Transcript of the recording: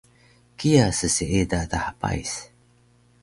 kiya sseeda daha pais